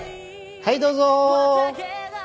はいどうぞ。